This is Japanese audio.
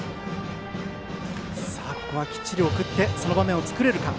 ここはきっちり送ってその場面を作れるか。